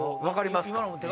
分かりますか？